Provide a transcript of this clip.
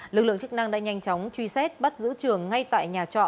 lực lượng chức năng đã nhanh chóng truy xét bắt giữ trường ngay tại nhà trọ